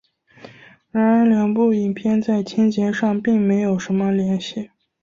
然而两部影片在情节上并没有什么联系。